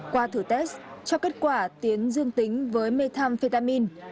qua thử test cho kết quả tiến dương tính với methamphetamin